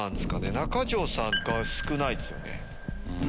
中条さんが少ないですよね。